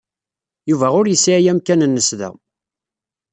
Yuba ur yesɛi amkan-nnes da.